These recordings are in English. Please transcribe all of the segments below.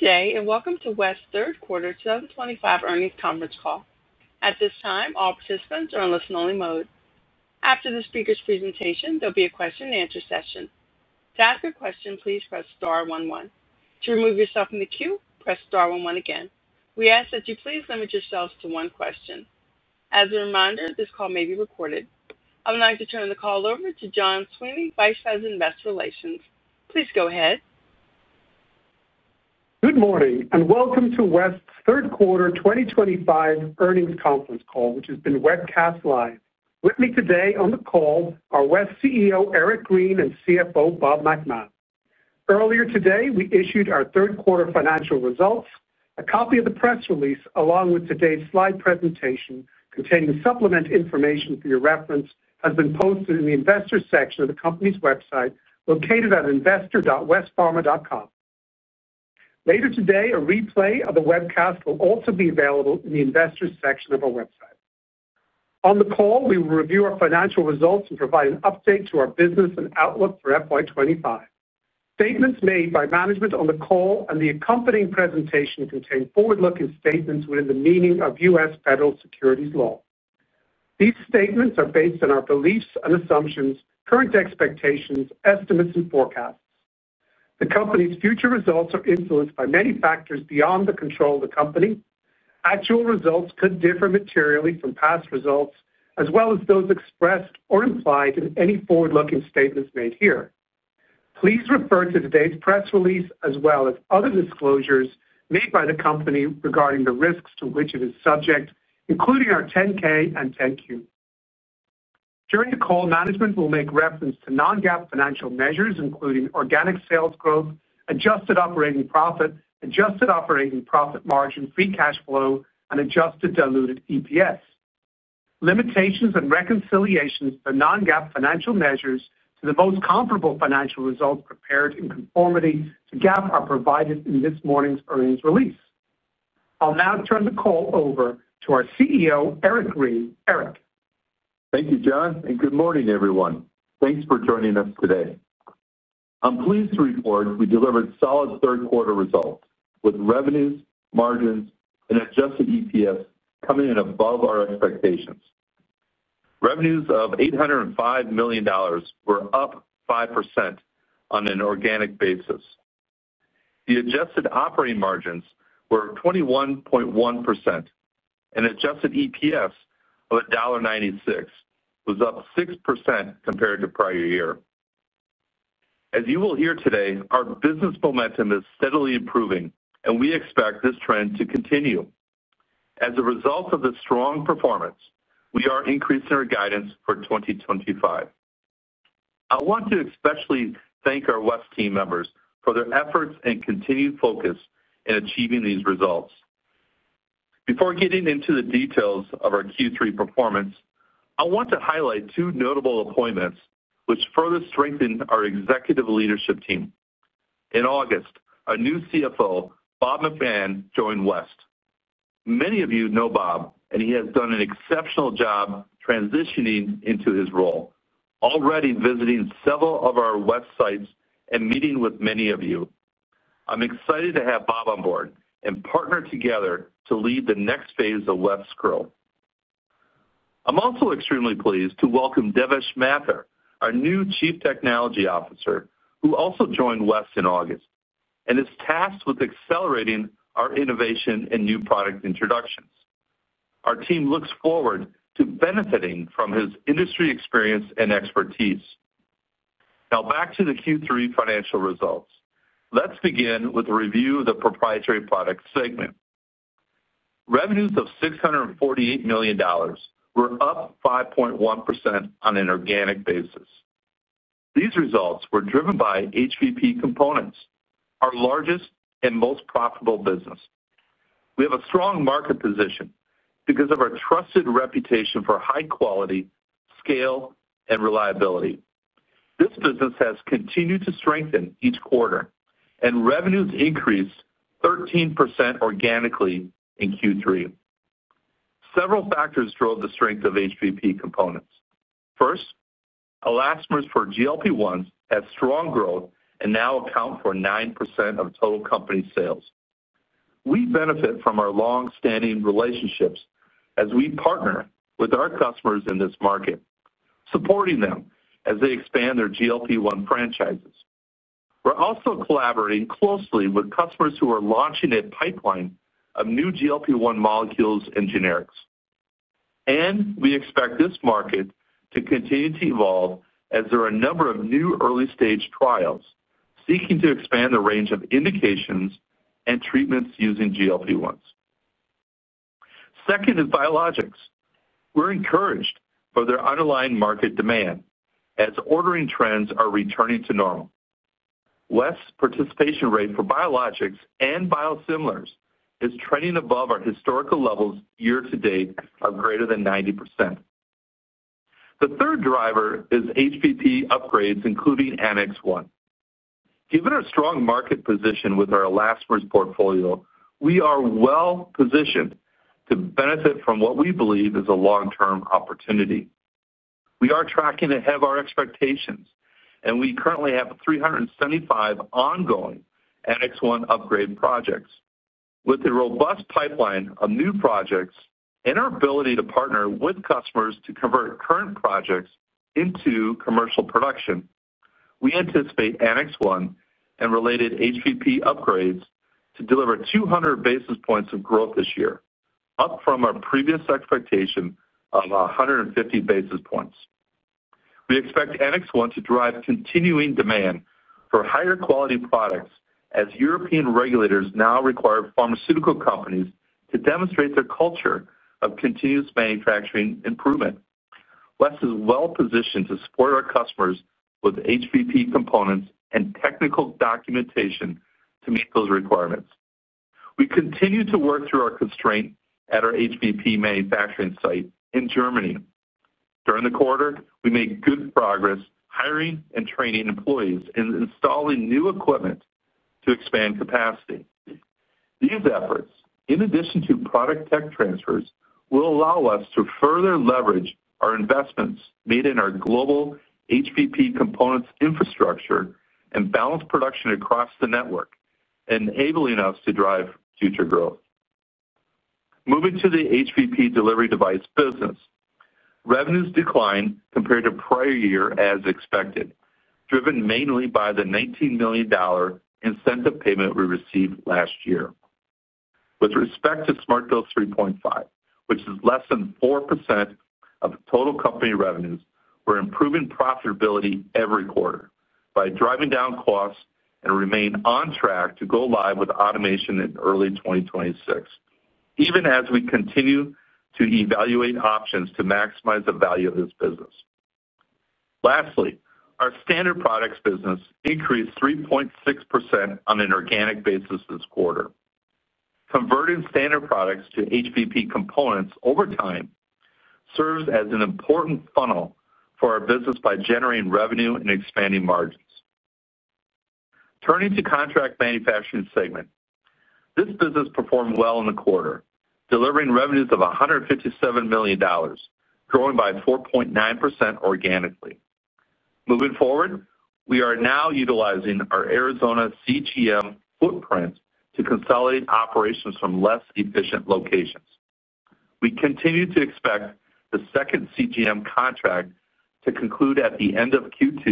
Today, and welcome to West's third quarter 2025 earnings conference call. At this time, all participants are in listen-only mode. After the speaker's presentation, there will be a question-and-answer session. To ask a question, please press star one one. To remove yourself from the queue, press star one one again. We ask that you please limit yourselves to one question. As a reminder, this call may be recorded. I would like to turn the call over to John Sweeney, Vice President of Investor Relations. Please go ahead. Good morning, and welcome to West's third quarter 2025 earnings conference call, which has been webcast live. With me today on the call are West's CEO Eric Green and CFO Bob McMahon. Earlier today, we issued our third quarter financial results. A copy of the press release, along with today's slide presentation containing supplemental information for your reference, has been posted in the Investors section of the company's website, located at investor.westpharma.com. Later today, a replay of the webcast will also be available in the Investors section of our website. On the call, we will review our financial results and provide an update to our business and outlook for FY 2025. Statements made by management on the call and the accompanying presentation contain forward-looking statements within the meaning of U.S. Federal Securities Law. These statements are based on our beliefs and assumptions, current expectations, estimates, and forecasts. The company's future results are influenced by many factors beyond the control of the company. Actual results could differ materially from past results, as well as those expressed or implied in any forward-looking statements made here. Please refer to today's press release, as well as other disclosures made by the company regarding the risks to which it is subject, including our 10-K and 10-Q. During the call, management will make reference to non-GAAP financial measures, including organic sales growth, adjusted operating profit, adjusted operating profit margin, free cash flow, and adjusted diluted EPS. Limitations and reconciliations for non-GAAP financial measures to the most comparable financial results prepared in conformity to GAAP are provided in this morning's earnings release. I'll now turn the call over to our CEO, Eric Green. Eric. Thank you, John, and good morning, everyone. Thanks for joining us today. I'm pleased to report we delivered solid third-quarter results with revenues, margins, and adjusted EPS coming in above our expectations. Revenues of $805 million were up 5% on an organic basis. The adjusted operating margins were 21.1%, and adjusted EPS of $1.96 was up 6% compared to prior year. As you will hear today, our business momentum is steadily improving, and we expect this trend to continue. As a result of the strong performance, we are increasing our guidance for 2025. I want to especially thank our West team members for their efforts and continued focus in achieving these results. Before getting into the details of our Q3 performance, I want to highlight two notable appointments, which further strengthen our executive leadership team. In August, our new CFO, Bob McMahon, joined West. Many of you know Bob, and he has done an exceptional job transitioning into his role, already visiting several of our West sites and meeting with many of you. I'm excited to have Bob on board and partner together to lead the next phase of West's growth. I'm also extremely pleased to welcome Devesh Mathur, our new Chief Technology Officer, who also joined West in August and is tasked with accelerating our innovation and new product introductions. Our team looks forward to benefiting from his industry experience and expertise. Now, back to the Q3 financial results. Let's begin with a review of the proprietary product segment. Revenues of $648 million were up 5.1% on an organic basis. These results were driven by HVP components, our largest and most profitable business. We have a strong market position because of our trusted reputation for high quality, scale, and reliability. This business has continued to strengthen each quarter, and revenues increased 13% organically in Q3. Several factors drove the strength of HVP components. First, elastomers for GLP-1s had strong growth and now account for 9% of total company sales. We benefit from our longstanding relationships as we partner with our customers in this market, supporting them as they expand their GLP-1 franchises. We're also collaborating closely with customers who are launching a pipeline of new GLP-1 molecules and generics. We expect this market to continue to evolve as there are a number of new early-stage trials seeking to expand the range of indications and treatments using GLP-1s. Second is biologics. We're encouraged for their underlying market demand as ordering trends are returning to normal. West's participation rate for biologics and biosimilars is trending above our historical levels year to date of greater than 90%. The third driver is HVP upgrades, including Annex 1. Given our strong market position with our elastomers portfolio, we are well positioned to benefit from what we believe is a long-term opportunity. We are tracking ahead of our expectations, and we currently have 375 ongoing Annex 1 upgrade projects. With a robust pipeline of new projects and our ability to partner with customers to convert current projects into commercial production, we anticipate Annex 1 and related HVP upgrades to deliver 200 basis points of growth this year, up from our previous expectation of 150 basis points. We expect Annex 1 to drive continuing demand for higher quality products as European regulators now require pharmaceutical companies to demonstrate their culture of continuous manufacturing improvement. West is well positioned to support our customers with HVP components and technical documentation to meet those requirements. We continue to work through our constraint at our HVP manufacturing site in Germany. During the quarter, we made good progress hiring and training employees and installing new equipment to expand capacity. These efforts, in addition to product tech transfers, will allow us to further leverage our investments made in our global HVP components infrastructure and balance production across the network, enabling us to drive future growth. Moving to the HVP delivery device business, revenues declined compared to prior year as expected, driven mainly by the $19 million incentive payment we received last year. With respect to SmartDose 3.5, which is less than 4% of total company revenues, we're improving profitability every quarter by driving down costs and remain on track to go live with automation in early 2026, even as we continue to evaluate options to maximize the value of this business. Lastly, our standard products business increased 3.6% on an organic basis this quarter. Converting standard products to HVP components over time serves as an important funnel for our business by generating revenue and expanding margins. Turning to the contract manufacturing segment, this business performed well in the quarter, delivering revenues of $157 million, growing by 4.9% organically. Moving forward, we are now utilizing our Arizona CGM footprint to consolidate operations from less efficient locations. We continue to expect the second CGM contract to conclude at the end of Q2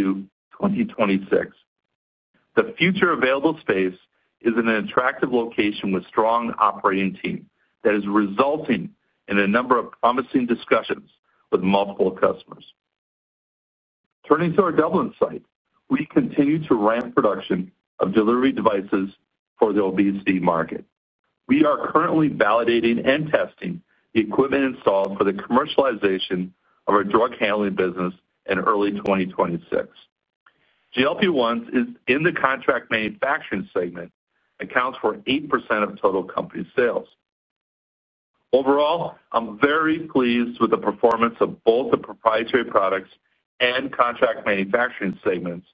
2026. The future available space is in an attractive location with a strong operating team that is resulting in a number of promising discussions with multiple customers. Turning to our Dublin site, we continue to ramp production of delivery devices for the obesity market. We are currently validating and testing the equipment installed for the commercialization of our drug handling business in early 2026. GLP-1s in the contract manufacturing segment account for 8% of total company sales. Overall, I'm very pleased with the performance of both the proprietary products and contract manufacturing segments,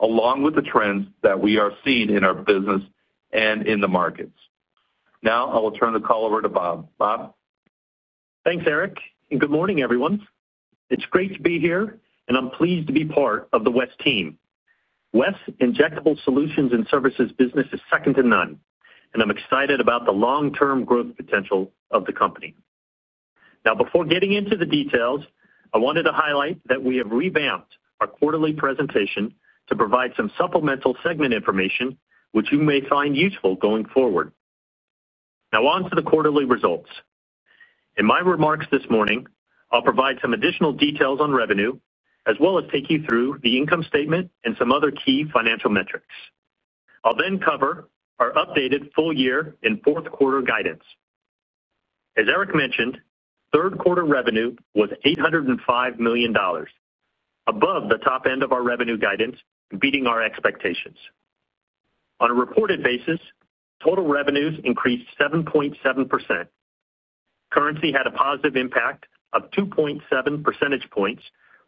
along with the trends that we are seeing in our business and in the markets. Now, I will turn the call over to Bob. Bob? Thanks, Eric, and good morning, everyone. It's great to be here, and I'm pleased to be part of the West team. West's injectable solutions and services business is second to none, and I'm excited about the long-term growth potential of the company. Now, before getting into the details, I wanted to highlight that we have revamped our quarterly presentation to provide some supplemental segment information, which you may find useful going forward. Now, on to the quarterly results. In my remarks this morning, I'll provide some additional details on revenue, as well as take you through the income statement and some other key financial metrics. I'll then cover our updated full-year and fourth-quarter guidance. As Eric mentioned, third-quarter revenue was $805 million, above the top end of our revenue guidance, beating our expectations. On a reported basis, total revenues increased 7.7%. Currency had a positive impact of 2.7 percentage points,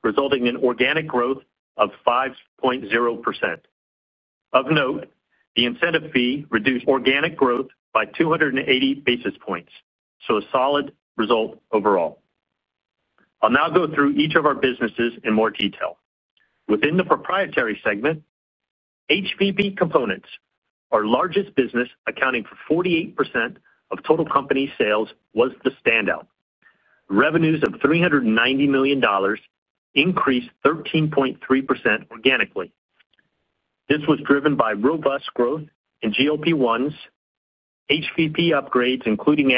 resulting in organic growth of 5.0%. Of note, the incentive fee reduced organic growth by 280 basis points, so a solid result overall. I'll now go through each of our businesses in more detail. Within the proprietary segment, HVP components, our largest business accounting for 48% of total company sales, was the standout. Revenues of $390 million increased 13.3% organically. This was driven by robust growth in GLP-1s, HVP upgrades, including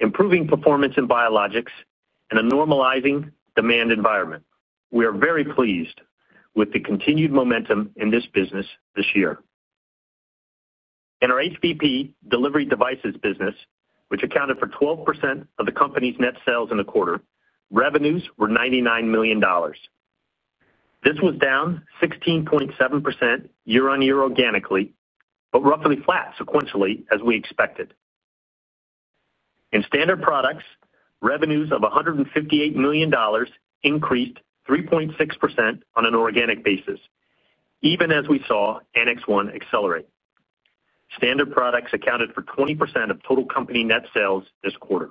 Annex 1, improving performance in biologics, and a normalizing demand environment. We are very pleased with the continued momentum in this business this year. In our HVP delivery devices business, which accounted for 12% of the company's net sales in the quarter, revenues were $99 million. This was down 16.7% year-on-year organically, but roughly flat sequentially, as we expected. In standard products, revenues of $158 million increased 3.6% on an organic basis, even as we saw Annex 1 accelerate. Standard products accounted for 20% of total company net sales this quarter.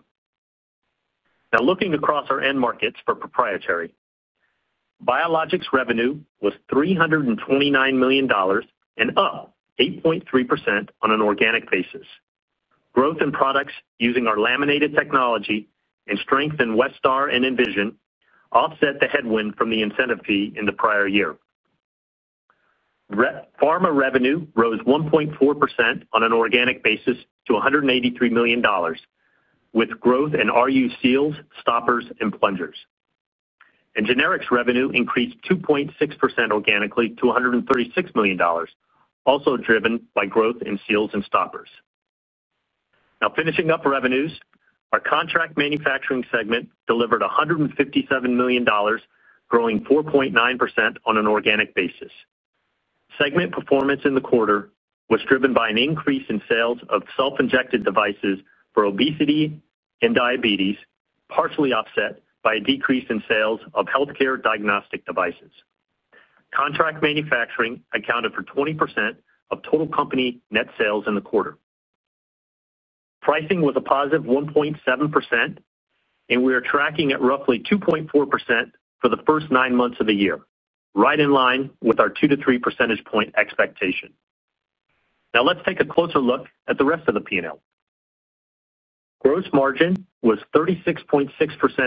Now, looking across our end markets for proprietary, biologics revenue was $329 million and up 8.3% on an organic basis. Growth in products using our laminated technology and strength in Westar and Envision offset the headwind from the incentive fee in the prior year. Pharma revenue rose 1.4% on an organic basis to $183 million, with growth in RU seals, stoppers, and plungers. Generics revenue increased 2.6% organically to $136 million, also driven by growth in seals and stoppers. Now, finishing up revenues, our contract manufacturing segment delivered $157 million, growing 4.9% on an organic basis. Segment performance in the quarter was driven by an increase in sales of self-injected devices for obesity and diabetes, partially offset by a decrease in sales of healthcare diagnostic devices. Contract manufacturing accounted for 20% of total company net sales in the quarter. Pricing was a positive 1.7%, and we are tracking at roughly 2.4% for the first nine months of the year, right in line with our 2%-3% expectation. Now, let's take a closer look at the rest of the P&L. Gross margin was 36.6%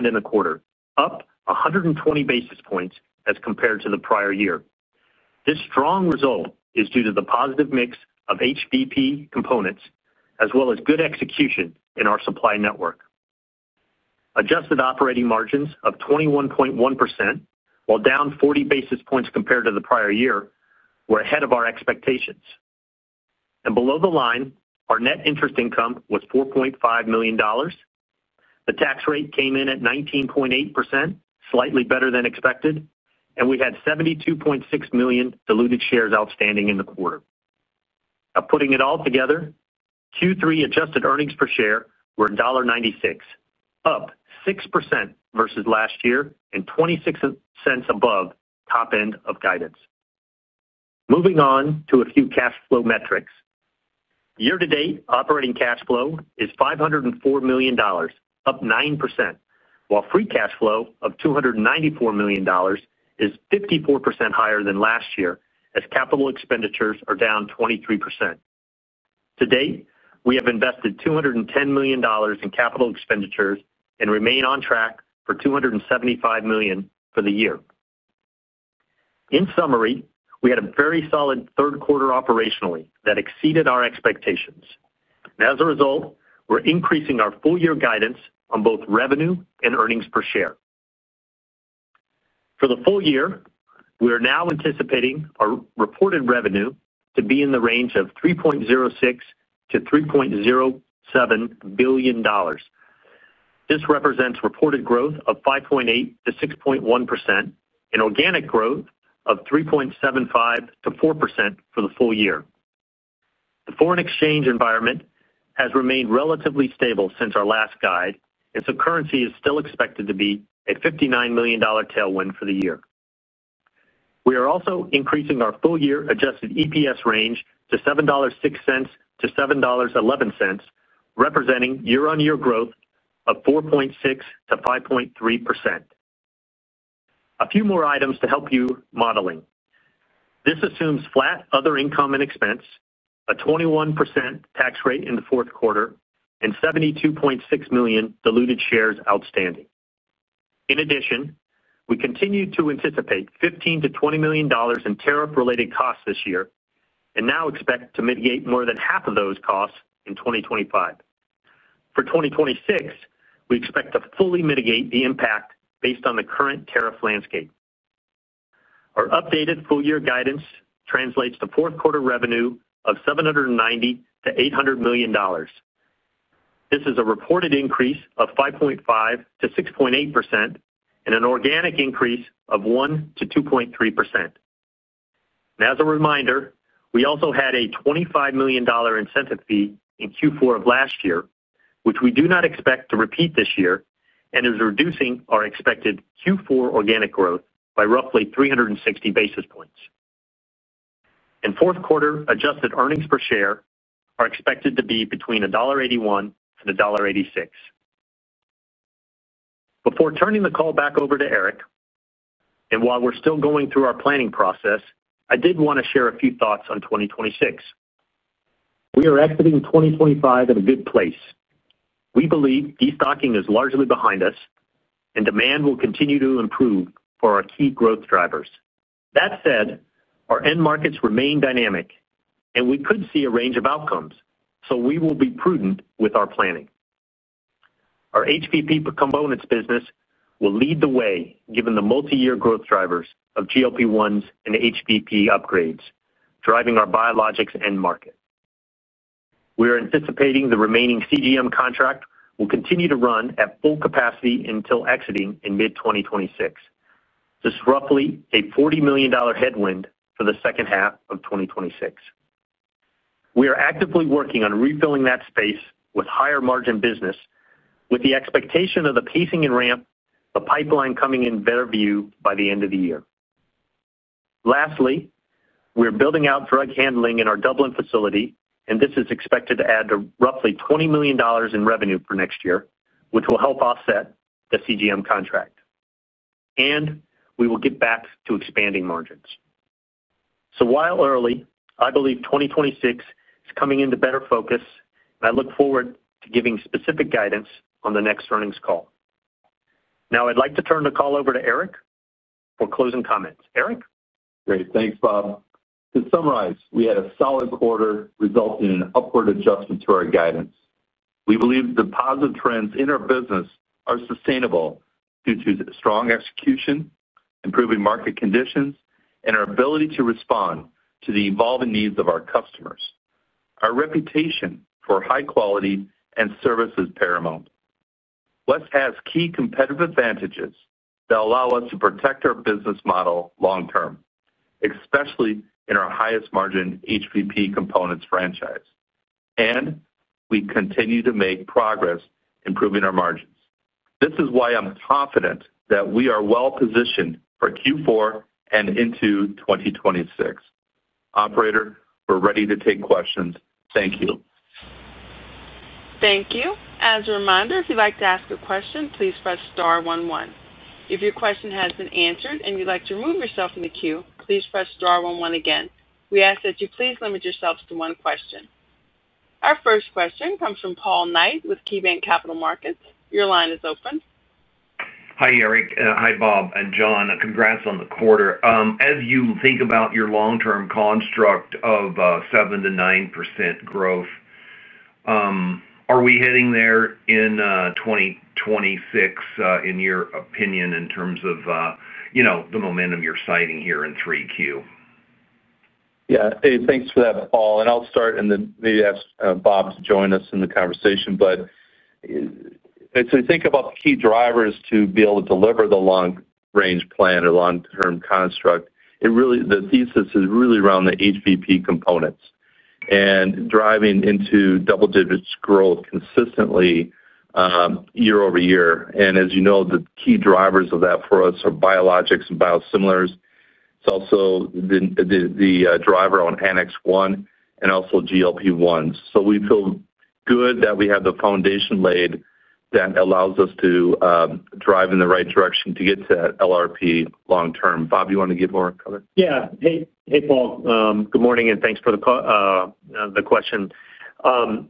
in the quarter, up 120 basis points as compared to the prior year. This strong result is due to the positive mix of HVP components, as well as good execution in our supply network. Adjusted operating margins of 21.1%, while down 40 basis points compared to the prior year, were ahead of our expectations. Below the line, our net interest income was $4.5 million. The tax rate came in at 19.8%, slightly better than expected, and we had 72.6 million diluted shares outstanding in the quarter. Now, putting it all together, Q3 adjusted earnings per share were $1.96, up 6% versus last year and $0.26 above top end of guidance. Moving on to a few cash flow metrics. Year-to-date operating cash flow is $504 million, up 9%, while free cash flow of $294 million is 54% higher than last year, as capital expenditures are down 23%. To date, we have invested $210 million in capital expenditures and remain on track for $275 million for the year. In summary, we had a very solid third quarter operationally that exceeded our expectations. As a result, we're increasing our full-year guidance on both revenue and earnings per share. For the full year, we are now anticipating our reported revenue to be in the range of $3.06 billion-$3.07 billion. This represents reported growth of 5.8%-6.1% and organic growth of 3.75%-4% for the full year. The foreign exchange environment has remained relatively stable since our last guide, and so currency is still expected to be a $59 million tailwind for the year. We are also increasing our full-year adjusted EPS range to $7.06-$7.11, representing year-on-year growth of 4.6%-5.3%. A few more items to help you modeling. This assumes flat other income and expense, a 21% tax rate in the fourth quarter, and 72.6 million diluted shares outstanding. In addition, we continue to anticipate $15 million-$20 million in tariff-related costs this year and now expect to mitigate more than half of those costs in 2025. For 2026, we expect to fully mitigate the impact based on the current tariff landscape. Our updated full-year guidance translates to fourth quarter revenue of $790 million-$800 million. This is a reported increase of 5.5%-6.8% and an organic increase of 1%-2.3%. As a reminder, we also had a $25 million incentive fee in Q4 of last year, which we do not expect to repeat this year and is reducing our expected Q4 organic growth by roughly 360 basis points. Fourth quarter adjusted earnings per share are expected to be between $1.81-$1.86. Before turning the call back over to Eric, and while we're still going through our planning process, I did want to share a few thoughts on 2026. We are exiting 2025 at a good place. We believe destocking is largely behind us, and demand will continue to improve for our key growth drivers. That said, our end markets remain dynamic, and we could see a range of outcomes, so we will be prudent with our planning. Our HVP components business will lead the way, given the multi-year growth drivers of GLP-1s and HVP upgrades, driving our biologics end market. We are anticipating the remaining CGM contract will continue to run at full capacity until exiting in mid-2026. This is roughly a $40 million headwind for the second half of 2026. We are actively working on refilling that space with higher margin business, with the expectation of the pacing and ramp, the pipeline coming in better view by the end of the year. Lastly, we are building out drug handling in our Dublin facility, and this is expected to add roughly $20 million in revenue for next year, which will help offset the CGM contract. We will get back to expanding margins. While early, I believe 2026 is coming into better focus, and I look forward to giving specific guidance on the next earnings call. Now, I'd like to turn the call over to Eric for closing comments. Eric? Great. Thanks, Bob. To summarize, we had a solid quarter resulting in an upward adjustment to our guidance. We believe the positive trends in our business are sustainable due to strong execution, improving market conditions, and our ability to respond to the evolving needs of our customers. Our reputation for high quality and service is paramount. West has key competitive advantages that allow us to protect our business model long term, especially in our highest margin HVP components franchise. We continue to make progress improving our margins. This is why I'm confident that we are well positioned for Q4 and into 2026. Operator, we're ready to take questions. Thank you. Thank you. As a reminder, if you'd like to ask a question, please press star one one. If your question has been answered and you'd like to remove yourself from the queue, please press star one one again. We ask that you please limit yourselves to one question. Our first question comes from Paul Knight with KeyBanc Capital Markets. Your line is open. Hi, Eric. Hi, Bob. John, congrats on the quarter. As you think about your long-term construct of 7%-9% growth, are we heading there in 2026, in your opinion, in terms of the momentum you're citing here in 3Q? Yeah. Hey, thanks for that, Paul. I'll start and then maybe ask Bob to join us in the conversation. As we think about the key drivers to be able to deliver the long-range plan or long-term construct, the thesis is really around the HVP components and driving into double-digit growth consistently year over year. As you know, the key drivers of that for us are biologics and biosimilars. It's also the driver on Annex 1 and also GLP-1s. We feel good that we have the foundation laid that allows us to drive in the right direction to get to that LRP long term. Bob, you want to give more cover? Yeah. Hey, hey, Paul. Good morning, and thanks for the question.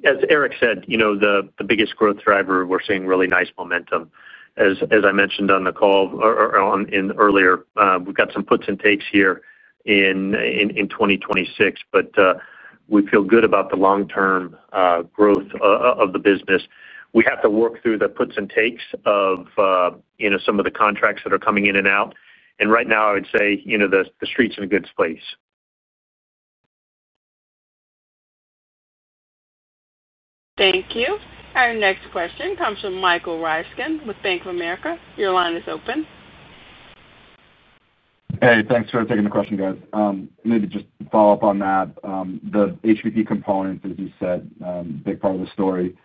As Eric said, you know, the biggest growth driver, we're seeing really nice momentum. As I mentioned on the call earlier, we've got some puts and takes here in 2026, but we feel good about the long-term growth of the business. We have to work through the puts and takes of, you know, some of the contracts that are coming in and out. Right now, I would say, you know, the street's in a good space. Thank you. Our next question comes from Michael Ryskin with Bank of America. Your line is open. Hey, thanks for taking the question, guys. Maybe just follow up on that. The HVP components, as you said, a big part of the story.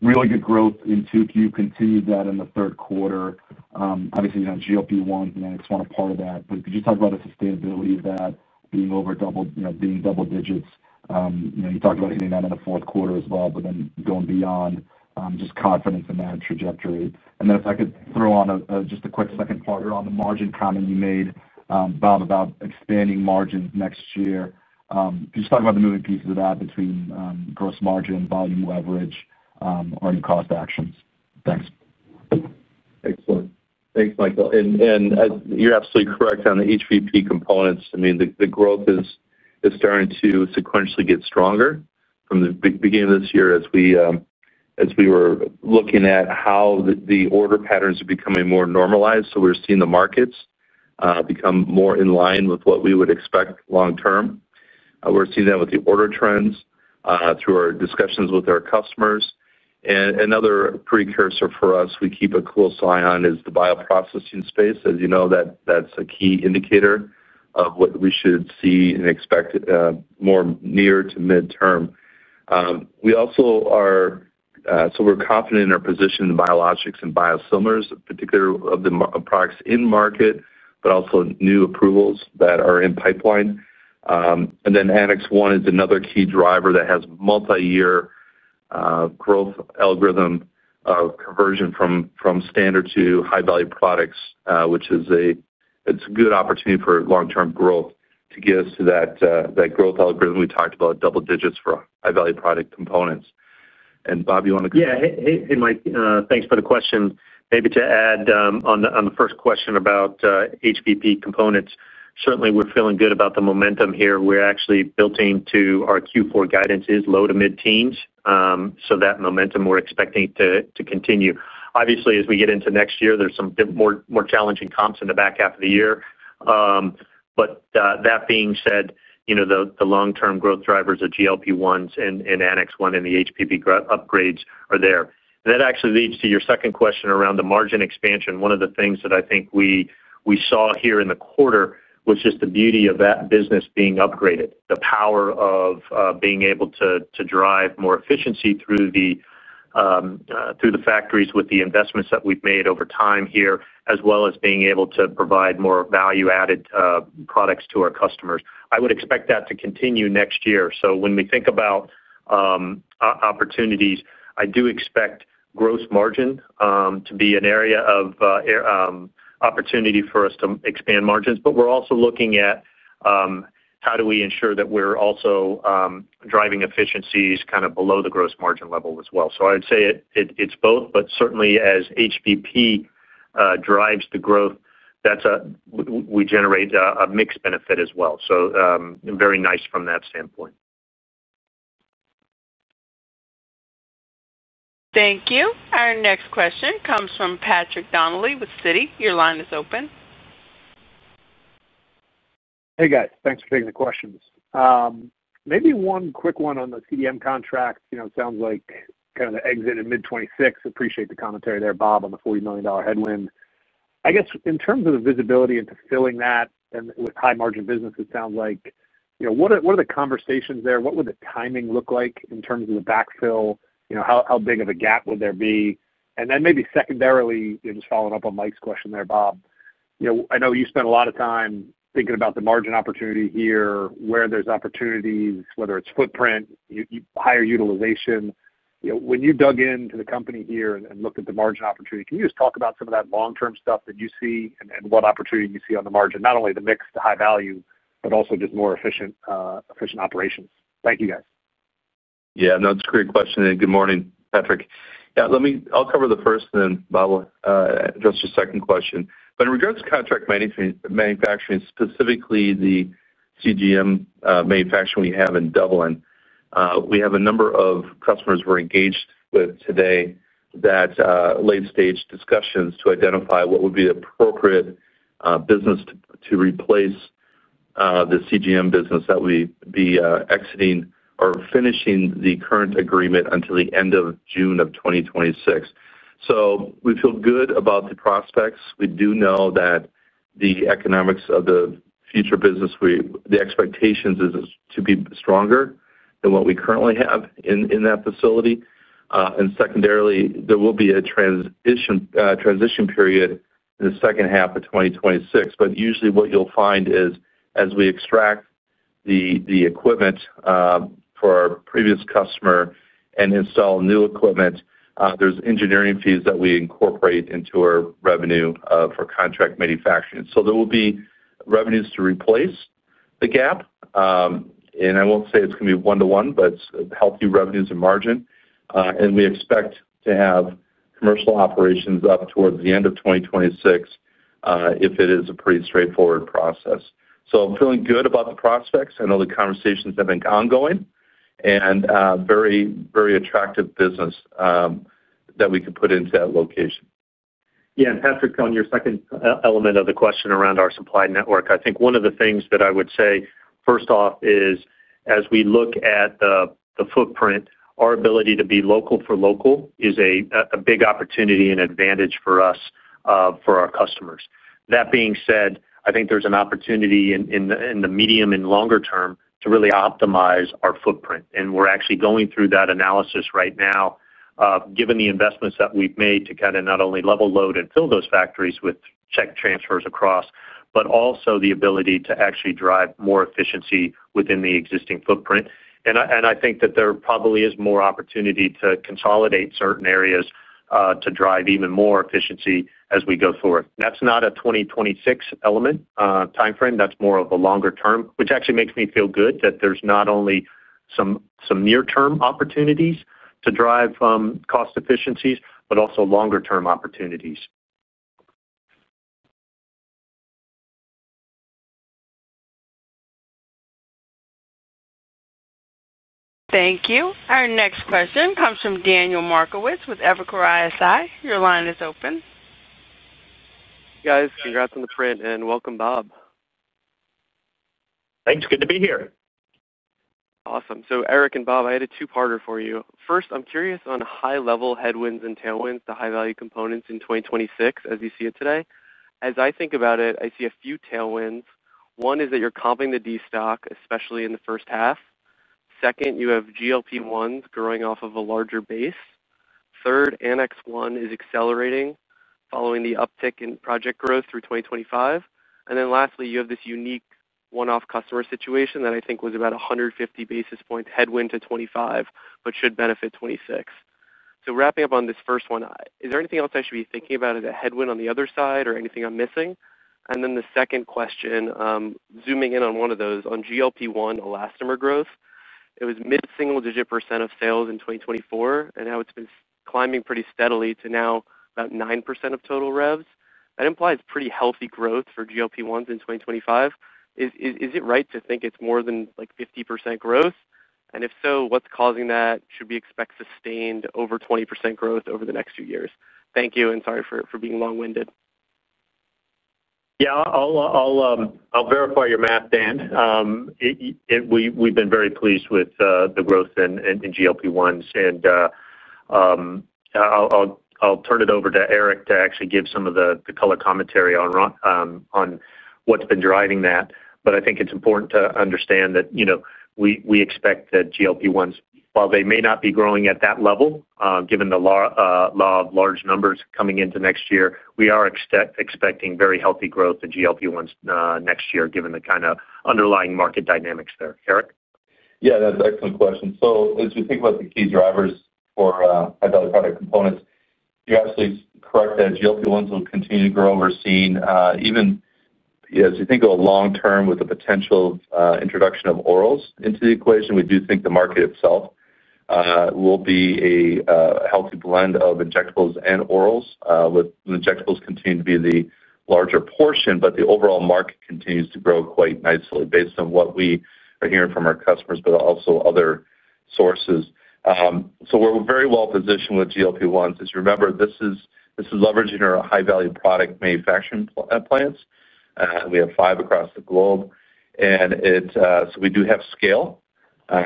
Really good growth in 2Q, continued that in the third quarter. Obviously, you're on GLP-1s and Annex 1 are part of that. Could you talk about the sustainability of that being over double, you know, being double digits? You talked about hitting that in the fourth quarter as well, going beyond, just confidence in that trajectory. If I could throw on just a quick second part or on the margin comment you made, Bob, about expanding margins next year, could you just talk about the moving pieces of that between gross margin, volume leverage, earning cost actions? Thanks. Excellent. Thanks, Michael. You're absolutely correct on the HVP components. The growth is starting to sequentially get stronger from the beginning of this year as we were looking at how the order patterns are becoming more normalized. We're seeing the markets become more in line with what we would expect long term. We're seeing that with the order trends through our discussions with our customers. Another precursor for us we keep a close eye on is the bioprocessing space. As you know, that's a key indicator of what we should see and expect more near to midterm. We also are confident in our position in biologics and biosimilars, particularly of the products in market, but also new approvals that are in pipeline. Annex 1 is another key driver that has a multi-year growth algorithm of conversion from standard to high-value products, which is a good opportunity for long-term growth to get us to that growth algorithm we talked about, double digits for high-value product components. Bob, you want to go? Yeah. Hey, Mike. Thanks for the question. Maybe to add on the first question about HVP components, certainly, we're feeling good about the momentum here. Actually built into our Q4 guidance is low to mid-teens. That momentum we're expecting to continue. Obviously, as we get into next year, there's some more challenging comps in the back half of the year. That being said, the long-term growth drivers of GLP-1s and Annex 1 and the HVP upgrades are there. That actually leads to your second question around the margin expansion. One of the things that I think we saw here in the quarter was just the beauty of that business being upgraded, the power of being able to drive more efficiency through the factories with the investments that we've made over time here, as well as being able to provide more value-added products to our customers. I would expect that to continue next year. When we think about opportunities, I do expect gross margin to be an area of opportunity for us to expand margins. We're also looking at how do we ensure that we're also driving efficiencies kind of below the gross margin level as well. I would say it's both, but certainly, as HVP drives the growth, we generate a mixed benefit as well. Very nice from that standpoint. Thank you. Our next question comes from Patrick Donnelly with Citi. Your line is open. Hey, guys. Thanks for taking the questions. Maybe one quick one on the CGM contract. It sounds like kind of the exit in mid-2026. Appreciate the commentary there, Bob, on the $40 million headwind. I guess in terms of the visibility into filling that and with high-margin business, it sounds like, what are the conversations there? What would the timing look like in terms of the backfill? How big of a gap would there be? Maybe secondarily, just following up on Mike's question there, Bob. I know you spent a lot of time thinking about the margin opportunity here, where there's opportunities, whether it's footprint, higher utilization. When you dug into the company here and looked at the margin opportunity, can you just talk about some of that long-term stuff that you see and what opportunity you see on the margin, not only the mix to high value, but also just more efficient operations? Thank you, guys. Yeah. No, that's a great question. Good morning, Patrick. I'll cover the first, and then Bob will address your second question. In regards to contract manufacturing, specifically the CGM manufacturing we have in Dublin, we have a number of customers we're engaged with today that are in late-stage discussions to identify what would be the appropriate business to replace the CGM business that we will be exiting or finishing the current agreement until the end of June 2026. We feel good about the prospects. We do know that the economics of the future business, the expectations are to be stronger than what we currently have in that facility. There will be a transition period in the second half of 2026. Usually, what you'll find is, as we extract the equipment for our previous customer and install new equipment, there are engineering fees that we incorporate into our revenue for contract manufacturing. There will be revenues to replace the gap. I won't say it's going to be one-to-one, but it's healthy revenues and margin. We expect to have commercial operations up towards the end of 2026 if it is a pretty straightforward process. Feeling good about the prospects. I know the conversations have been ongoing, and very, very attractive business that we could put into that location. Yeah. Patrick, on your second element of the question around our supply network, I think one of the things that I would say, first off, is as we look at the footprint, our ability to be local for local is a big opportunity and advantage for us, for our customers. That being said, I think there's an opportunity in the medium and longer term to really optimize our footprint. We're actually going through that analysis right now, given the investments that we've made to not only level load and fill those factories with check transfers across, but also the ability to actually drive more efficiency within the existing footprint. I think that there probably is more opportunity to consolidate certain areas to drive even more efficiency as we go forward. That's not a 2026 element timeframe. That's more of a longer term, which actually makes me feel good that there's not only some near-term opportunities to drive cost efficiencies, but also longer-term opportunities. Thank you. Our next question comes from Daniel Markowitz with Evercore ISI. Your line is open. Guys, congrats on the print and welcome Bob. Thanks. Good to be here. Awesome. Eric and Bob, I had a two-parter for you. First, I'm curious on high-level headwinds and tailwinds to high-value components in 2026 as you see it today. As I think about it, I see a few tailwinds. One is that you're comping the destock, especially in the first half. Second, you have GLP-1s growing off of a larger base. Third, Annex 1 is accelerating following the uptick in project growth through 2025. Lastly, you have this unique one-off customer situation that I think was about 150 basis points headwind to 2025, but should benefit 2026. Wrapping up on this first one, is there anything else I should be thinking about as a headwind on the other side or anything I'm missing? The second question, zooming in on one of those, on GLP-1 elastomer growth, it was mid-single-digit % of sales in 2024 and how it's been climbing pretty steadily to now about 9% of total revs. That implies pretty healthy growth for GLP-1s in 2025. Is it right to think it's more than 50% growth? If so, what's causing that? Should we expect sustained over 20% growth over the next few years? Thank you, and sorry for being long-winded. Yeah. I'll verify your math, Dan. We've been very pleased with the growth in GLP-1s. I'll turn it over to Eric to actually give some of the color commentary on what's been driving that. I think it's important to understand that we expect that GLP-1s, while they may not be growing at that level, given the law of large numbers coming into next year, we are expecting very healthy growth in GLP-1s next year, given the kind of underlying market dynamics there. Eric? Yeah, that's an excellent question. As we think about the key drivers for high-value product components, you're absolutely correct that GLP-1s will continue to grow. We're seeing even, you know, as we think of a long term with the potential introduction of orals into the equation, we do think the market itself will be a healthy blend of injectables and orals, with injectables continuing to be the larger portion, but the overall market continues to grow quite nicely based on what we are hearing from our customers, but also other sources. We're very well positioned with GLP-1s. As you remember, this is leveraging our high-value product manufacturing plants. We have five across the globe, and we do have scale.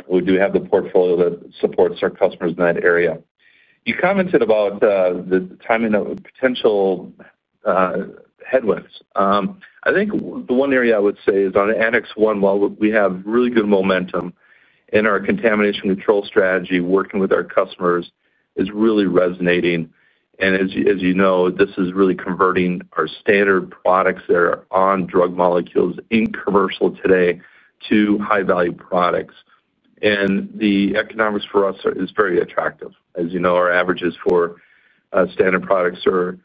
We do have the portfolio that supports our customers in that area. You commented about the timing of potential headwinds. I think the one area I would say is on Annex 1. While we have really good momentum in our contamination control strategy, working with our customers is really resonating. As you know, this is really converting our standard products that are on drug molecules in commercial today to high-value products, and the economics for us is very attractive. As you know, our averages for standard products are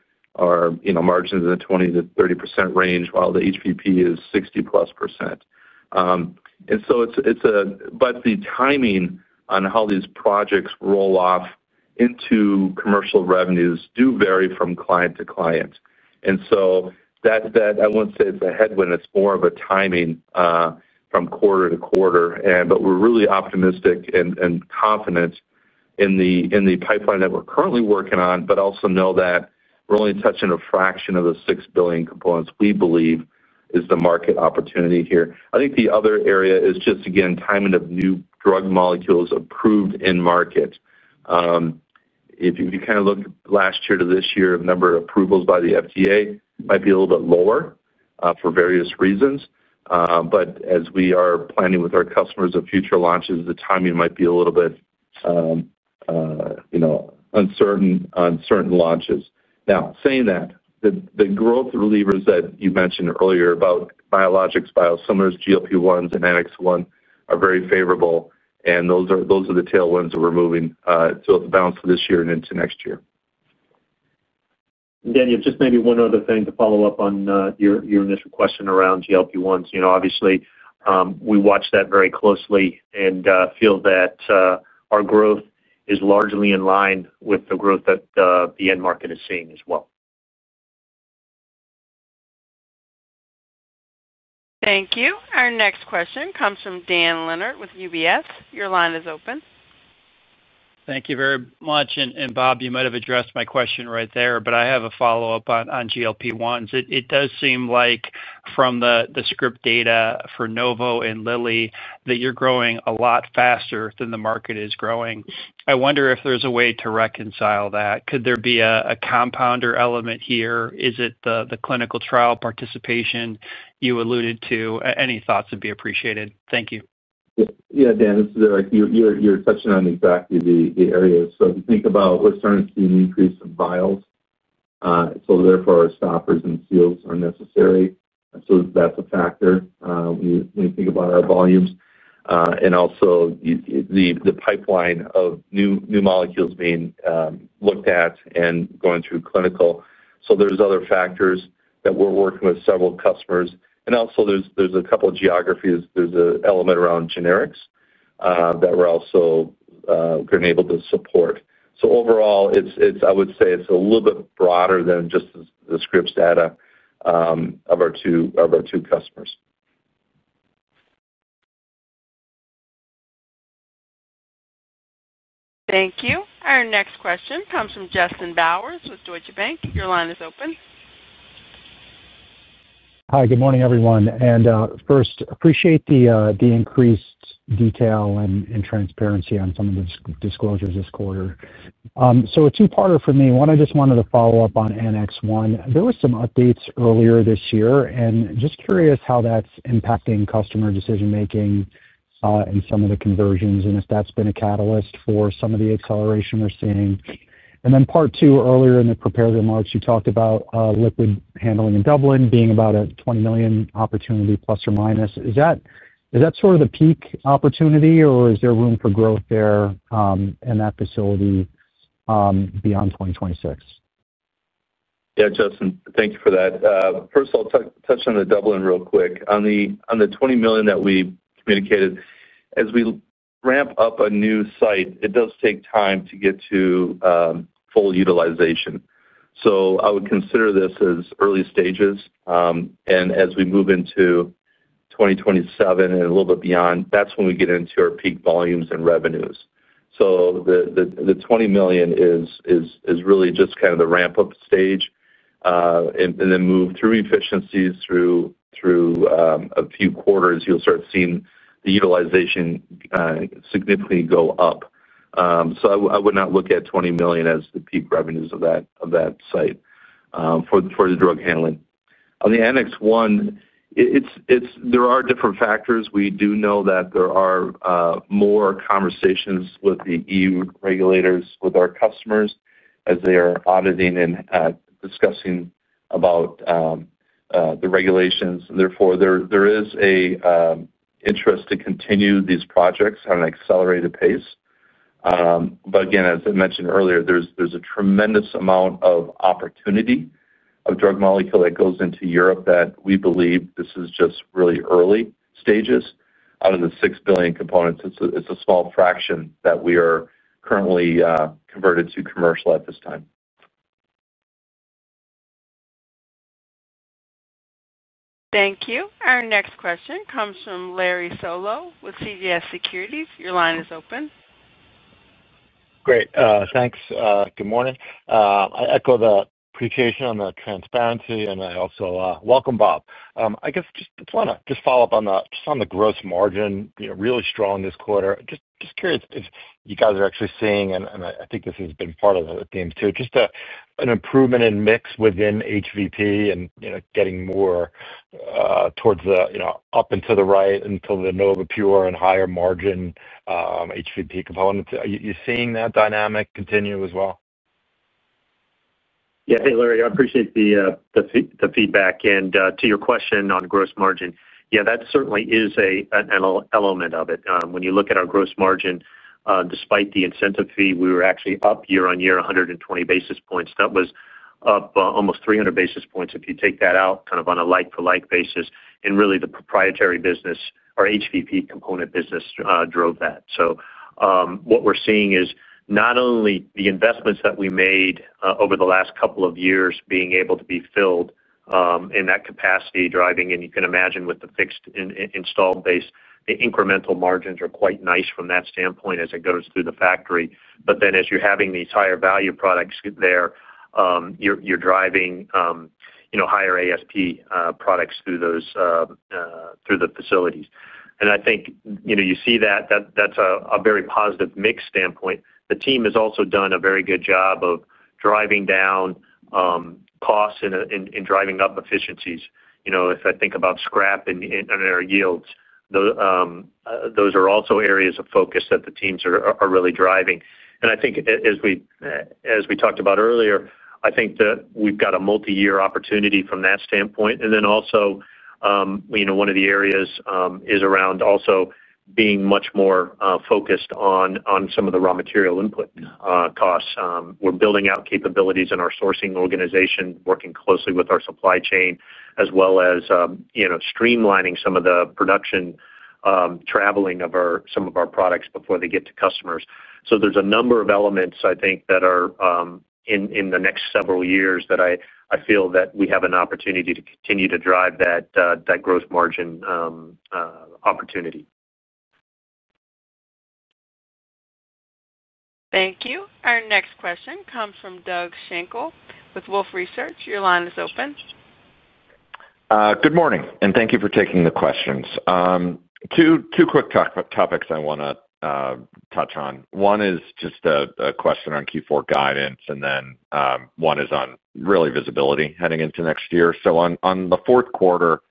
margins in the 20%-30% range, while the HVP is 60+%. The timing on how these projects roll off into commercial revenues does vary from client to client. I won't say it's a headwind. It's more of a timing from quarter to quarter. We're really optimistic and confident in the pipeline that we're currently working on, but also know that we're only touching a fraction of the 6 billion components we believe is the market opportunity here. I think the other area is just, again, timing of new drug molecules approved in market. If you kind of look last year to this year, the number of approvals by the FDA might be a little bit lower for various reasons. As we are planning with our customers of future launches, the timing might be a little bit, you know, uncertain on certain launches. Now, saying that, the growth that you mentioned earlier about biologics, biosimilars, GLP-1s, and Annex 1 are very favorable. Those are the tailwinds that we're moving throughout the balance of this year and into next year. Daniel, just maybe one other thing to follow up on your initial question around GLP-1s. Obviously, we watch that very closely and feel that our growth is largely in line with the growth that the end market is seeing as well. Thank you. Our next question comes from Dan Leonard with UBS. Your line is open. Thank you very much. Bob, you might have addressed my question right there, but I have a follow-up on GLP-1s. It does seem like from the script data for Novo and Lilly that you're growing a lot faster than the market is growing. I wonder if there's a way to reconcile that. Could there be a compounder element here? Is it the clinical trial participation you alluded to? Any thoughts would be appreciated. Thank you. Yeah, Dan, this is Eric. You're touching on exactly the areas. If you think about what's starting to see an increase of vials, therefore, our stoppers and seals are necessary. That's a factor when you think about our volumes. Also, the pipeline of new molecules being looked at and going through clinical. There are other factors that we're working with several customers. There's a couple of geographies. There's an element around generics that we're also going to be able to support. Overall, I would say it's a little bit broader than just the scripts data of our two customers. Thank you. Our next question comes from Justin Bowers with Deutsche Bank. Your line is open. Hi. Good morning, everyone. First, I appreciate the increased detail and transparency on some of the disclosures this quarter. A two-parter for me. One, I just wanted to follow up on Annex 1. There were some updates earlier this year, and just curious how that's impacting customer decision-making and some of the conversions, if that's been a catalyst for some of the acceleration we're seeing. Part two, earlier in the prepared remarks, you talked about liquid handling in Dublin being about a ±$20 million opportunity. Is that sort of the peak opportunity, or is there room for growth there in that facility beyond 2026? Yeah, Justin, thank you for that. First, I'll touch on the Dublin real quick. On the $20 million that we communicated, as we ramp up a new site, it does take time to get to full utilization. I would consider this as early stages. As we move into 2027 and a little bit beyond, that's when we get into our peak volumes and revenues. The $20 million is really just kind of the ramp-up stage. As you move through efficiencies through a few quarters, you'll start seeing the utilization significantly go up. I would not look at $20 million as the peak revenues of that site for the drug handling. On the Annex 1, there are different factors. We do know that there are more conversations with the EU regulators with our customers as they are auditing and discussing about the regulations. Therefore, there is an interest to continue these projects at an accelerated pace. As I mentioned earlier, there's a tremendous amount of opportunity of drug molecule that goes into Europe that we believe this is just really early stages. Out of the 6 billion components, it's a small fraction that we are currently converted to commercial at this time. Thank you. Our next question comes from Larry Solow with CJS Securities. Your line is open. Great. Thanks. Good morning. I echo the appreciation on the transparency, and I also welcome Bob. I just want to follow up on the gross margin, you know, really strong this quarter. Just curious if you guys are actually seeing, and I think this has been part of the themes too, just an improvement in mix within HVP and, you know, getting more towards the, you know, up and to the right into the NovaPure and higher margin HVP components. Are you seeing that dynamic continue as well? Yeah. Hey, Larry. I appreciate the feedback. To your question on gross margin, yeah, that certainly is an element of it. When you look at our gross margin, despite the incentive fee, we were actually up year-on-year 120 basis points. That was up almost 300 basis points if you take that out kind of on a like-for-like basis. The proprietary business, our HVP component business, drove that. What we're seeing is not only the investments that we made over the last couple of years being able to be filled in that capacity driving, and you can imagine with the fixed install base, the incremental margins are quite nice from that standpoint as it goes through the factory. As you're having these higher value products there, you're driving higher ASP products through the facilities. I think you see that that's a very positive mix standpoint. The team has also done a very good job of driving down costs and driving up efficiencies. If I think about scrap and our yields, those are also areas of focus that the teams are really driving. I think as we talked about earlier, we've got a multi-year opportunity from that standpoint. Also, one of the areas is around being much more focused on some of the raw material input costs. We're building out capabilities in our sourcing organization, working closely with our supply chain, as well as streamlining some of the production traveling of some of our products before they get to customers. There are a number of elements, I think, that are in the next several years that I feel that we have an opportunity to continue to drive that gross margin opportunity. Thank you. Our next question comes from Doug Schenkel with Wolfe Research. Your line is open. Good morning. Thank you for taking the questions. Two quick topics I want to touch on. One is just a question on Q4 guidance, and then one is on really visibility heading into next year. On the fourth quarter,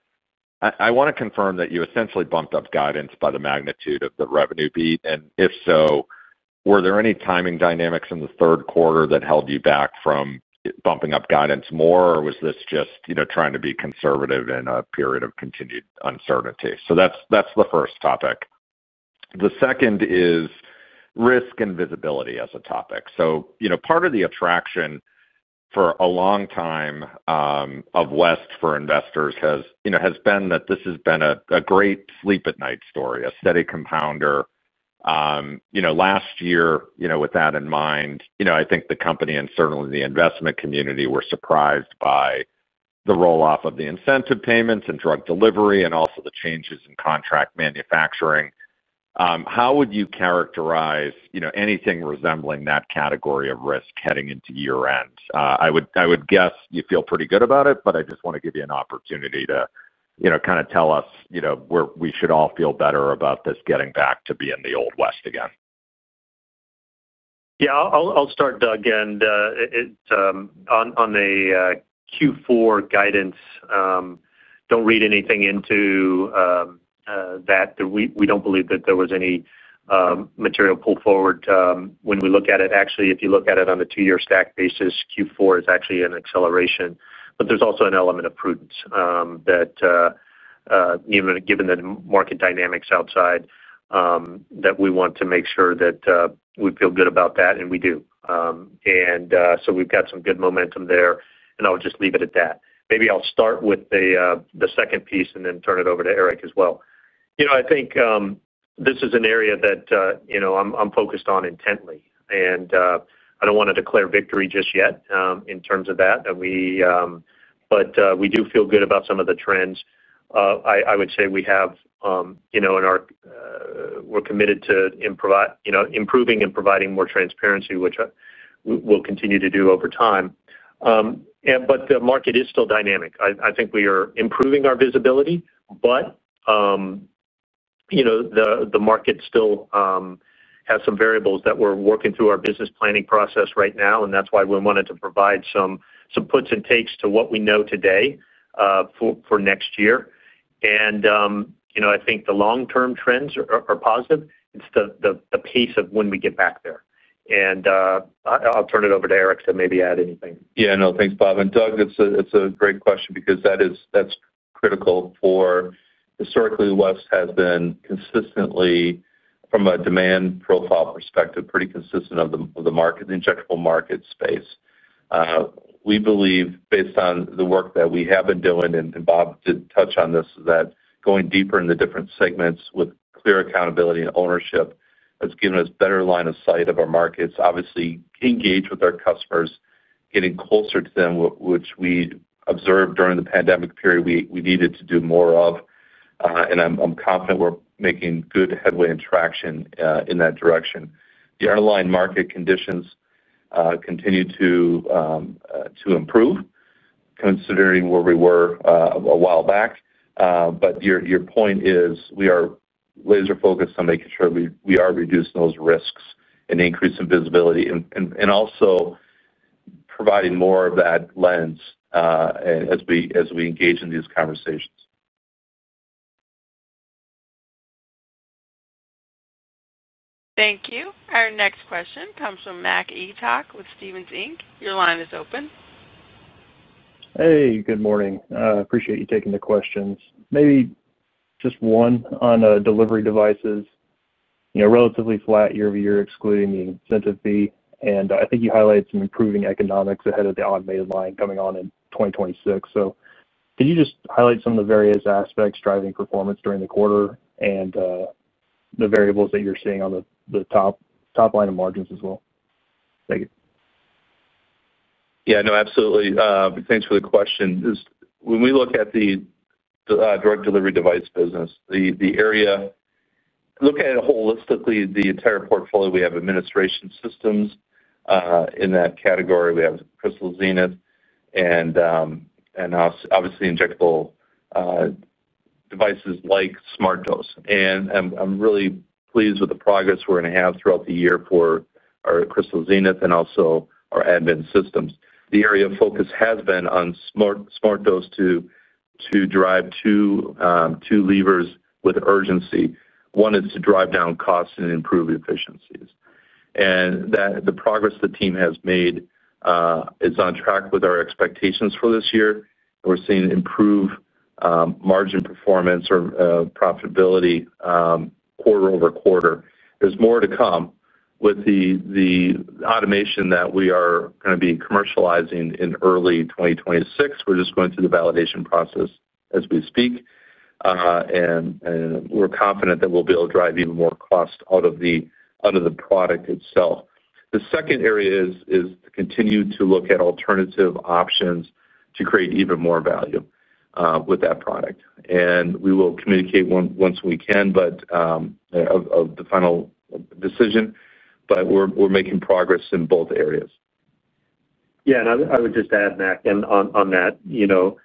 I want to confirm that you essentially bumped up guidance by the magnitude of the revenue beat. If so, were there any timing dynamics in the third quarter that held you back from bumping up guidance more, or was this just trying to be conservative in a period of continued uncertainty? That's the first topic. The second is risk and visibility as a topic. Part of the attraction for a long time, of West for investors has been that this has been a great sleep-at-night story, a steady compounder. Last year, with that in mind, I think the company and certainly the investment community were surprised by the rolloff of the incentive payments and drug delivery and also the changes in contract manufacturing. How would you characterize anything resembling that category of risk heading into year-end? I would guess you feel pretty good about it, but I just want to give you an opportunity to tell us where we should all feel better about this getting back to being the old West again. I'll start, Doug. On the Q4 guidance, don't read anything into that. We don't believe that there was any material pull forward. When we look at it, actually, if you look at it on a two-year stack basis, Q4 is actually an acceleration. There's also an element of prudence, given the market dynamics outside, that we want to make sure that we feel good about that, and we do. We've got some good momentum there. I'll just leave it at that. Maybe I'll start with the second piece and then turn it over to Eric as well. I think this is an area that I'm focused on intently. I don't want to declare victory just yet, in terms of that. We do feel good about some of the trends. I would say we have, in our, we're committed to improving and providing more transparency, which we'll continue to do over time. The market is still dynamic. I think we are improving our visibility, but the market still has some variables that we're working through our business planning process right now. That's why we wanted to provide some puts and takes to what we know today for next year. I think the long-term trends are positive. It's the pace of when we get back there. I'll turn it over to Eric to maybe add anything. Yeah. No, thanks, Bob. Doug, it's a great question because that is critical for historically, West has been consistently, from a demand profile perspective, pretty consistent of the market, the injectable market space. We believe, based on the work that we have been doing, and Bob did touch on this, is that going deeper into different segments with clear accountability and ownership has given us a better line of sight of our markets. Obviously, engage with our customers, getting closer to them, which we observed during the pandemic period, we needed to do more of. I'm confident we're making good headway and traction in that direction. The airline market conditions continue to improve, considering where we were a while back. Your point is we are laser-focused on making sure we are reducing those risks and increasing visibility and also providing more of that lens, as we engage in these conversations. Thank you. Our next question comes from Matt Etoch with Stephens. Your line is open. Hey, good morning. Appreciate you taking the questions. Maybe just one on delivery devices. You know, relatively flat year-over-year, excluding the incentive fee. I think you highlighted some improving economics ahead of the automated line coming on in 2026. Can you just highlight some of the various aspects driving performance during the quarter, and the variables that you're seeing on the top line of margins as well? Thank you. Yeah. No, absolutely. Thanks for the question. When we look at the drug delivery device business, the area, looking at it holistically, the entire portfolio, we have administration systems in that category. We have Crystal Zenith and, obviously, injectable devices like SmartDose. I'm really pleased with the progress we're going to have throughout the year for our Crystal Zenith and also our admin systems. The area of focus has been on SmartDose to drive two levers with urgency. One is to drive down costs and improve efficiencies. The progress the team has made is on track with our expectations for this year, and we're seeing improved margin performance or profitability quarter over quarter. There's more to come with the automation that we are going to be commercializing in early 2026. We're just going through the validation process as we speak, and we're confident that we'll be able to drive even more cost out of the product itself. The second area is to continue to look at alternative options to create even more value with that product. We will communicate once we can, of the final decision. We're making progress in both areas. Yeah. I would just add, Mac, on that, you know,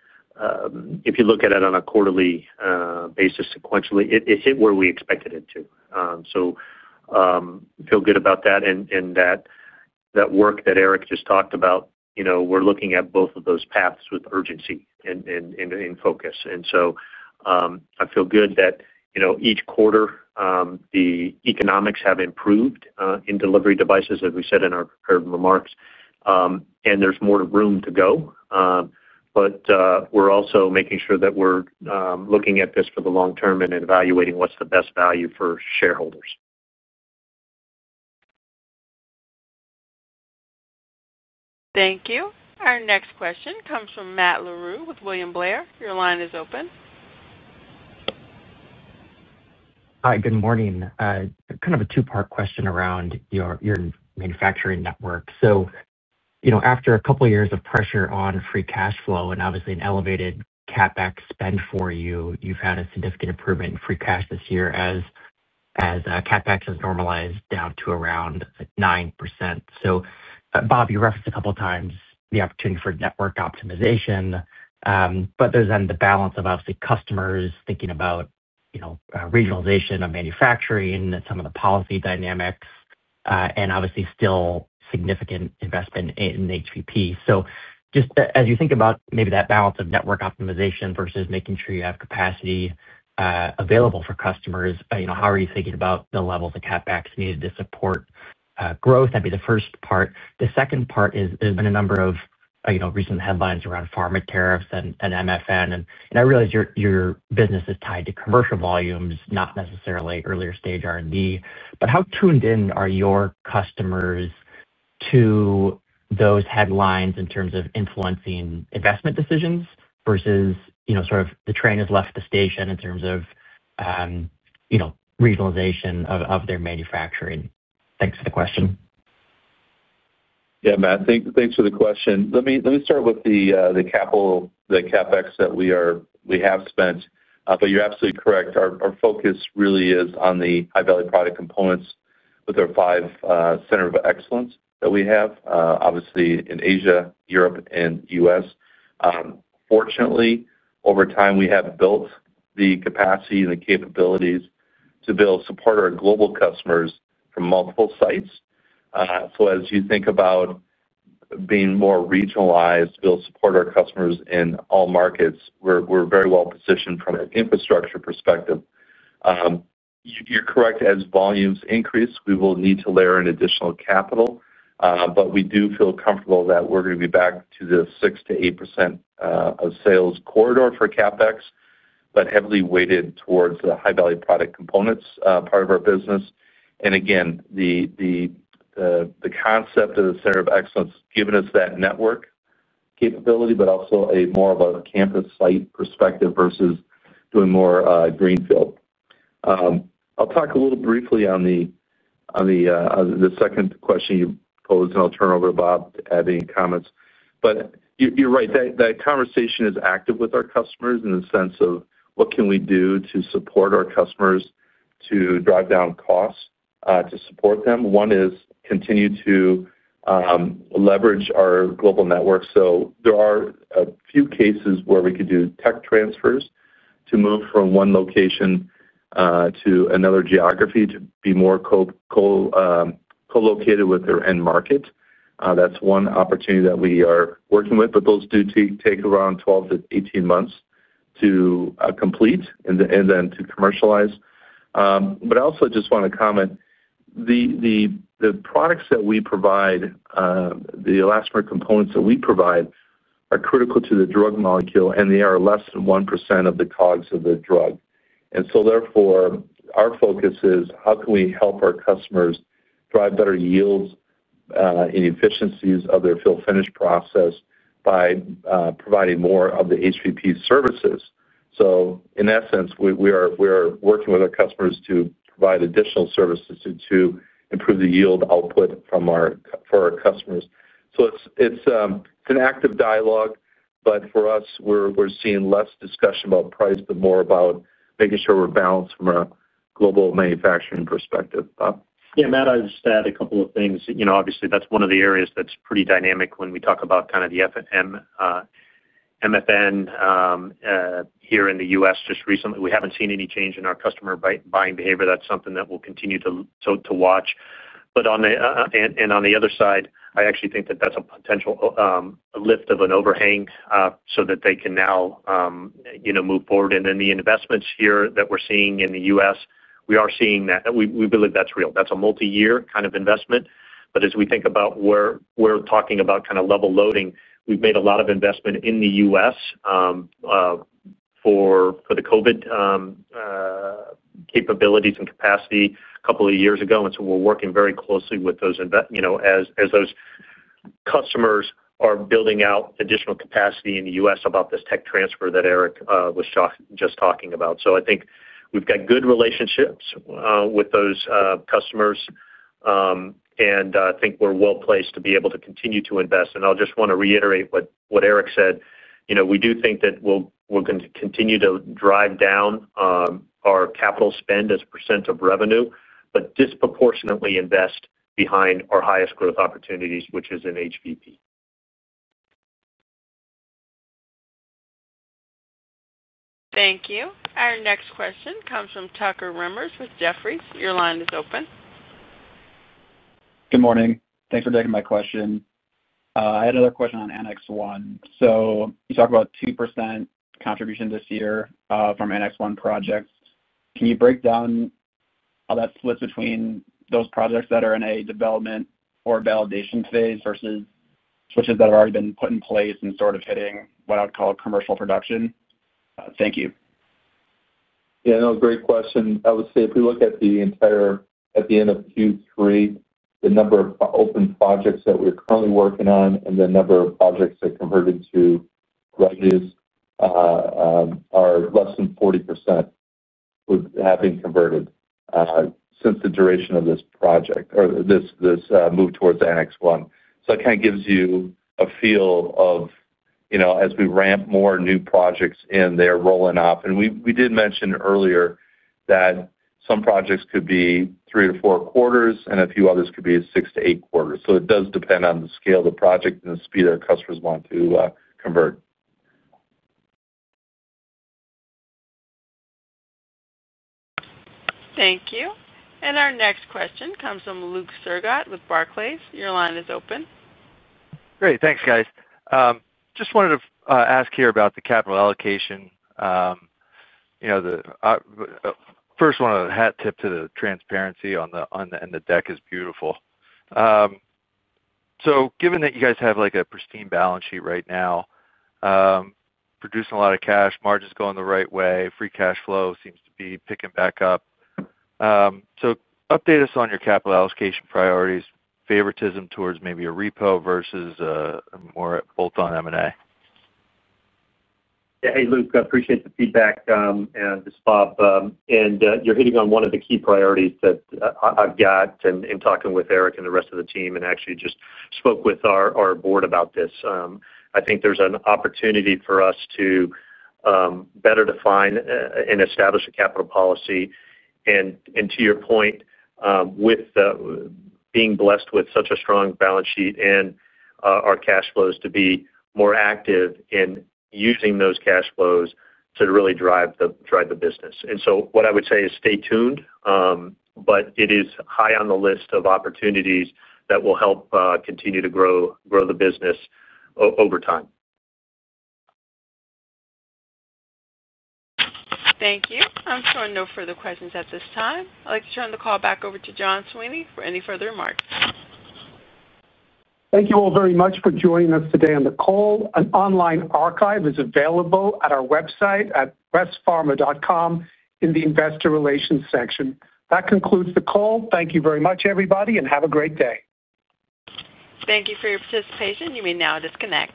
if you look at it on a quarterly basis sequentially, it hit where we expected it to. I feel good about that. That work that Eric just talked about, you know, we're looking at both of those paths with urgency and focus. I feel good that, you know, each quarter, the economics have improved in delivery devices, as we said in our prepared remarks, and there's more room to go. We're also making sure that we're looking at this for the long term and evaluating what's the best value for shareholders. Thank you. Our next question comes from Matthew Larew with William Blair. Your line is open. Hi. Good morning. Kind of a two-part question around your manufacturing network. After a couple of years of pressure on free cash flow and obviously an elevated CapEx spend for you, you've had a significant improvement in free cash this year as CapEx has normalized down to around 9%. Bob, you referenced a couple of times the opportunity for network optimization, but there's then the balance of obviously customers thinking about regionalization of manufacturing, some of the policy dynamics, and obviously still significant investment in HVP. Just as you think about maybe that balance of network optimization versus making sure you have capacity available for customers, how are you thinking about the levels of CapEx needed to support growth? That'd be the first part. The second part is there's been a number of recent headlines around pharma tariffs and MFN. I realize your business is tied to commercial volumes, not necessarily earlier-stage R&D. How tuned in are your customers to those headlines in terms of influencing investment decisions versus sort of the train has left the station in terms of regionalization of their manufacturing? Thanks for the question. Yeah, Matt. Thanks for the question. Let me start with the capital, the CapEx that we have spent. You're absolutely correct. Our focus really is on the high-value product components with our five centers of excellence that we have, obviously in Asia, Europe, and the U.S. Fortunately, over time, we have built the capacity and the capabilities to support our global customers from multiple sites. As you think about being more regionalized to be able to support our customers in all markets, we're very well positioned from an infrastructure perspective. You're correct. As volumes increase, we will need to layer in additional capital. We do feel comfortable that we're going to be back to the 6%-8% of sales corridor for CapEx, but heavily weighted towards the high-value product components part of our business. Again, the concept of the center of excellence has given us that network capability, but also more of a campus site perspective versus doing more greenfield. I'll talk briefly on the second question you posed, and I'll turn it over to Bob to add any comments. You're right. That conversation is active with our customers in the sense of what can we do to support our customers, to drive down costs, to support them. One is continue to leverage our global network. There are a few cases where we could do tech transfers to move from one location to another geography to be more co-located with their end market. That's one opportunity that we are working with. Those do take around 12 to 18 months to complete and then to commercialize. I also just want to comment, the products that we provide, the elastomer components that we provide are critical to the drug molecule, and they are less than 1% of the COGS of the drug. Therefore, our focus is how can we help our customers drive better yields in efficiencies of their fill-finish process by providing more of the HVP services. In essence, we are working with our customers to provide additional services to improve the yield output for our customers. It's an active dialogue. For us, we're seeing less discussion about price, but more about making sure we're balanced from a global manufacturing perspective. Yeah, Matt. I'll just add a couple of things. Obviously, that's one of the areas that's pretty dynamic when we talk about kind of the MFN here in the U.S. just recently. We haven't seen any change in our customer buying behavior. That's something that we'll continue to watch. On the other side, I actually think that that's a potential lift of an overhang so that they can now move forward. The investments here that we're seeing in the U.S., we are seeing that we believe that's real. That's a multi-year kind of investment. As we think about where we're talking about kind of level loading, we've made a lot of investment in the U.S. for the COVID capabilities and capacity a couple of years ago. We're working very closely with those customers as they are building out additional capacity in the U.S. about this tech transfer that Eric was just talking about. I think we've got good relationships with those customers, and I think we're well placed to be able to continue to invest. I'll just want to reiterate what Eric said. We do think that we're going to continue to drive down our capital spend as a % of revenue, but disproportionately invest behind our highest growth opportunities, which is in HVP. Thank you. Our next question comes from Tucker Remmers with Jefferies. Your line is open. Good morning. Thanks for taking my question. I had another question on Annex 1. You talk about 2% contribution this year from Annex 1 projects. Can you break down how that splits between those projects that are in a development or validation phase versus switches that have already been put in place and sort of hitting what I would call commercial production? Thank you. Yeah, no, great question. I would say if we look at the entire, at the end of Q3, the number of open projects that we're currently working on and the number of projects that converted to revenues are less than 40% would have been converted since the duration of this project or this move towards Annex 1. That kind of gives you a feel of, you know, as we ramp more new projects in, they're rolling off. We did mention earlier that some projects could be three to four quarters, and a few others could be six to eight quarters. It does depend on the scale of the project and the speed our customers want to convert. Thank you. Our next question comes from Luke Sergott with Barclays. Your line is open. Great. Thanks, guys. Just wanted to ask here about the capital allocation. The first one, a hat tip to the transparency on the deck, is beautiful. Given that you guys have a pristine balance sheet right now, producing a lot of cash, margins going the right way, free cash flow seems to be picking back up. Update us on your capital allocation priorities, favoritism towards maybe a repo versus a more bolt-on M&A. Yeah. Hey, Luke. I appreciate the feedback, and this is Bob. You're hitting on one of the key priorities that I've got in talking with Eric and the rest of the team. I actually just spoke with our board about this. I think there's an opportunity for us to better define and establish a capital policy. To your point, with being blessed with such a strong balance sheet and our cash flows, we can be more active in using those cash flows to really drive the business. What I would say is stay tuned, but it is high on the list of opportunities that will help continue to grow the business over time. Thank you. I'm showing no further questions at this time. I'd like to turn the call back over to John Sweeney for any further remarks. Thank you all very much for joining us today on the call. An online archive is available at our website at westpharma.com in the Investor relations section. That concludes the call. Thank you very much, everybody, and have a great day. Thank you for your participation. You may now disconnect.